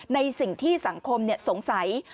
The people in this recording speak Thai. ในสิ่งที่สังคมสงสัย